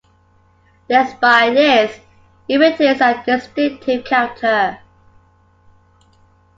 Despite this, it retains a distinctive character.